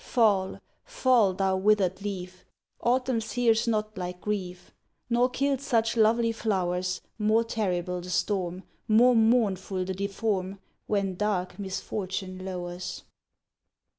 Fall, fall, thou withered leaf! Autumn sears not like grief, Nor kills such lovely flowers; More terrible the storm, More mournful the deform, When dark misfortune lowers.